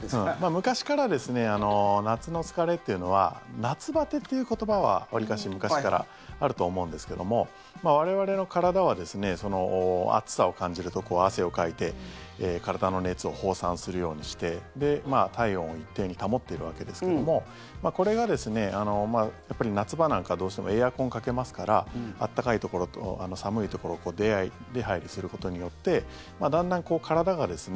昔から夏の疲れってのは夏バテという言葉はわりかし昔からあると思うんですけども我々の体はですね暑さを感じると汗をかいて体の熱を放散するようにして体温を一定に保ってるわけですけどもこれが、やっぱり夏場なんかどうしてもエアコンかけますから暖かいところと寒いところを出入りすることによってだんだん体がですね